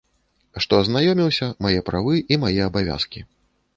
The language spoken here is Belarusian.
Што азнаёміўся, мае правы і мае абавязкі.